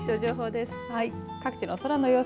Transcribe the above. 気象情報です。